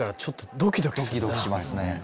ドキドキしますね。